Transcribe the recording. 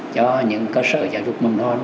cho những cơ sở giáo dục mầm non